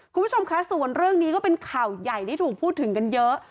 คุณผู้ชมคะส่วนเรื่องนี้ก็เป็นข่าวใหญ่ที่ถูกพูดถึงกันเยอะ